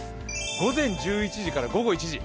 午前１１時から午後１時。